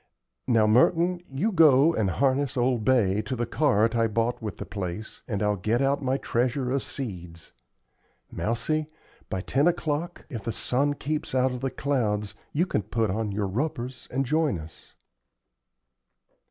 Now, Merton, you go and harness old Bay to the cart I bought with the place, and I'll get out my treasure of seeds. Mousie, by ten o'clock, if the sun keeps out of the clouds, you can put on your rubbers and join us."